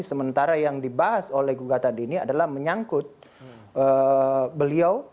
sementara yang dibahas oleh gugatan ini adalah menyangkut beliau